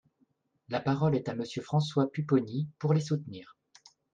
La parole est à Monsieur François Pupponi, pour les soutenir.